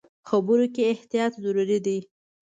خبرو کې احتیاط ضروري دی.